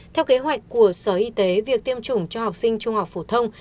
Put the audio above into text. theo kế hoạch của sở y tế việc tiêm chủng cho học sinh trung học phổ thông